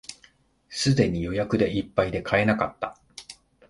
すぐに予約でいっぱいで買えなかった